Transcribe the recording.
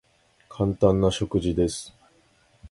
簡単な食事です。